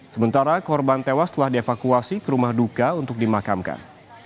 sementara korban tewas telah dievakuasi ke rumah duka untuk dimakamkan